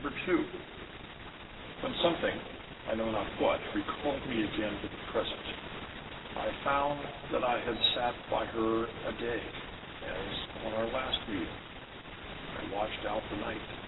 When something I know not what recalled me again to the present, I found that I had sat by her a day, as, on our last meeting, I watched out the night.